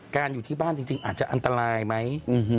อยู่ที่บ้านจริงอาจจะอันตรายไหม